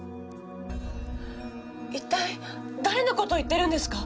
一体誰の事を言ってるんですか？